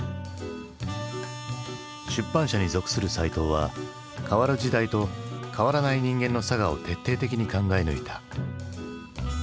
出版社に属する齋藤は変わる時代と変わらない人間のさがを徹底的に考え抜いた。